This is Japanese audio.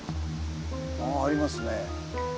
あありますね。